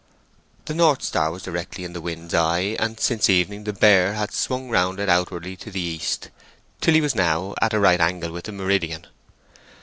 The North Star was directly in the wind's eye, and since evening the Bear had swung round it outwardly to the east, till he was now at a right angle with the meridian.